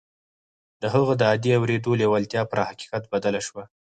د هغه د عادي اورېدو لېوالتیا پر حقیقت بدله شوه